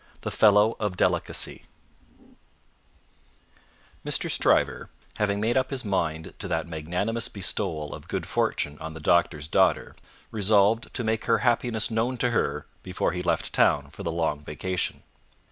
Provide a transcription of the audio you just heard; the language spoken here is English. The Fellow of Delicacy Mr. Stryver having made up his mind to that magnanimous bestowal of good fortune on the Doctor's daughter, resolved to make her happiness known to her before he left town for the Long Vacation.